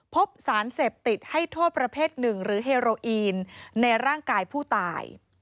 พบสารเสพติดให้โทษประเภทหนึ่งหรือเฮโรอีนในร่างกายผู้ตาย